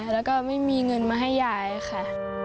แล้วก็ไม่มีเงินมาให้ยายค่ะ